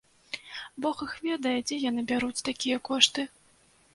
Бог іх ведае, дзе яны бяруць такія кошты.